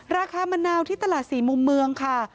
ราคามะนาวที่ตลาดสี่มุมเมืองค่ะ